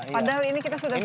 padahal ini kita sudah siap